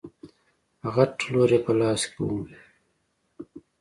غټ لور يې په لاس کې و.